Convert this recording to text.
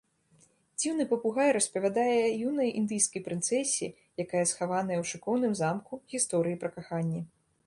Дзіўны папугай распавядае юнай індыйскай прынцэсе, якая схаваная у шыкоўным замку, гісторыі пра каханне.